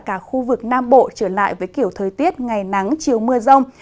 cả khu vực nam bộ trở lại với kiểu thời tiết ngày nắng chiều mưa rông